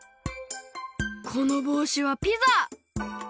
このぼうしはピザ！